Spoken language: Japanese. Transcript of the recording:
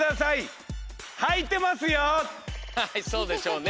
はいそうでしょうね。